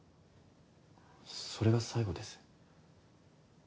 それが最後です。